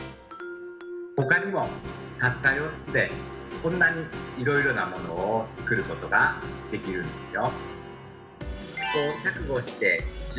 ほかにもたった４つでこんなにいろいろなものを作ることができるんですよ。